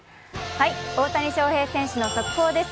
大谷翔平選手の速報です。